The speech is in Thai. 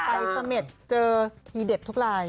เสม็ดเจอทีเด็ดทุกลาย